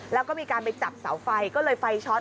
แล้วก็มีการไปจับเสาไฟก็เลยไฟช็อต